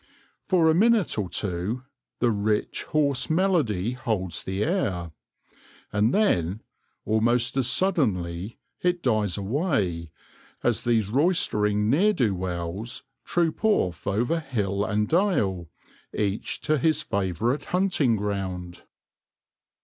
For a minute or two the rich hoarse melody holds the air ; and then, almost as suddenly, it dies away, as these roystering ne'er do wells troop off over hill and dale, each to his favourite hunting ground.